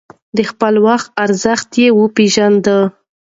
د خپل وخت ارزښت يې پېژانده.